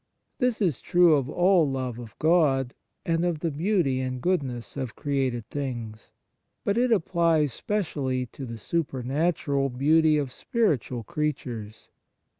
This is true of all love of God, and of the beauty and goodness of created things; but it applies specially to the supernatural beauty of spiritual creatures.